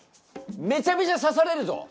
めちゃめちゃ刺されるぞ！